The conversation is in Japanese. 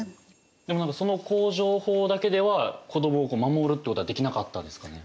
でも何かその工場法だけでは子どもを守るっていうことはできなかったんですかね？